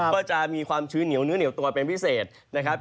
ก็จะมีความชื้นเหนียวตัวเป็นพิเศษนะครับ